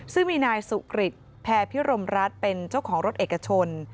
ซึ่งมีนายสุกริตแพรพิรมรัฐเป็นเจ้าของรถเอกชน